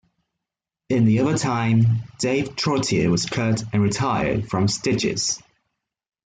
In the overtime, Dave Trottier was cut and retired for stitches.